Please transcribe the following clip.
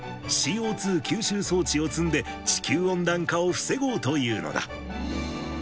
ＣＯ２吸収装置を積んで、地球温暖化を防ごうというのだ。